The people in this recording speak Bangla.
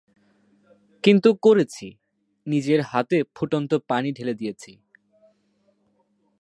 কিন্তু করেছি, নিজের হাতে ফুটন্ত পানি ঢেলে দিয়েছি।